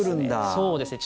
そうですね。